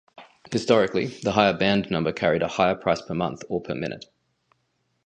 Historically, the higher band number carried a higher price per month or per minute.